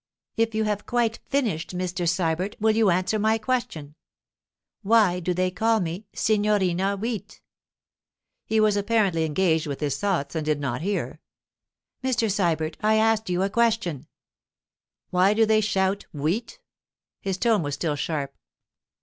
'If you have quite finished, Mr. Sybert, will you answer my question?—Why do they call me "Signorina Wheat"?' He was apparently engaged with his thoughts and did not hear. 'Mr. Sybert, I asked you a question.' 'Why do they shout "Wheat"?' His tone was still sharp.